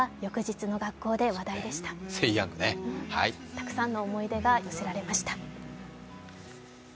たくさんの思い出が寄せられました。